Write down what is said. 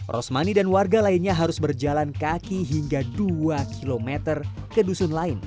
rosmani dan warga lainnya harus berjalan kaki hingga dua km ke dusun lain